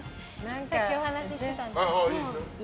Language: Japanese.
さっきお話してたんですよね。